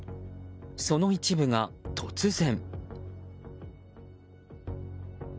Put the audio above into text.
その一部が、突然。